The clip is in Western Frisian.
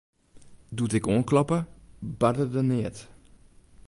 Doe't ik oankloppe, barde der neat.